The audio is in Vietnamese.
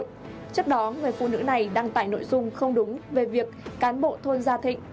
trước đó người phụ nữ này đăng tải nội dung không đúng về việc cán bộ thôn gia thịnh